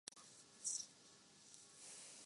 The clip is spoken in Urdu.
تو وہ اس فارمولے کے تحت سماج کی تعبیر کرتے ہیں۔